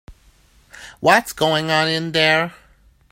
What's going on in there?